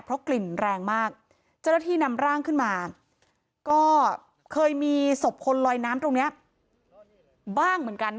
เพราะกลิ่นแรงมากเจ้าหน้าที่นำร่างขึ้นมาก็เคยมีศพคนลอยน้ำตรงนี้บ้างเหมือนกัน